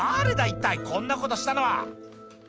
一体こんなことしたのは」